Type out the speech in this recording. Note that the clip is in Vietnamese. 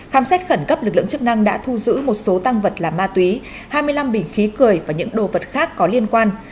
khám xét khẩn cấp lực lượng chức năng đã thu giữ một số tăng vật là ma túy hai mươi năm bình khí cười và những đồ vật khác có liên quan